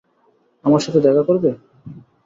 আমার সাথে দেখা করবে?